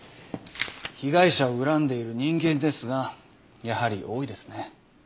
被害者を恨んでいる人間ですがやはり多いですね。